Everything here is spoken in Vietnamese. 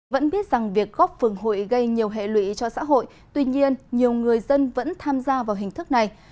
vẫn biết rằng việc góp phường hội gây nhiều hệ lụy cho xã hội tuy nhiên nhiều người dân vẫn tham gia vào hình thức này